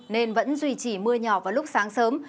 nên vẫn duy trì mưa nhỏ vào lúc sáng sớm